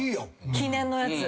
記念のやつ。